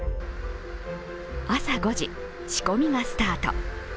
朝５時、仕込みがスタート。